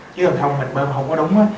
chứ không mình bơm không có đúng á